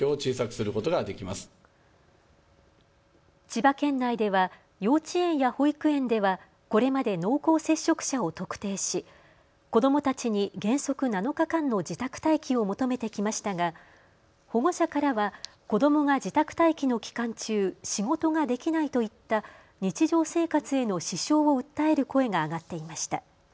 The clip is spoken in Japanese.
千葉県内では幼稚園や保育園ではこれまで濃厚接触者を特定し子どもたちに原則７日間の自宅待機を求めてきましたが保護者からは子どもが自宅待機の期間中、仕事ができないといった日常生活への支障を訴える声が上がっていました。